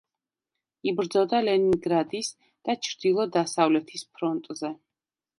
იბრძოდა ლენინგრადის და ჩრდილო-დასავლეთის ფრონტზე.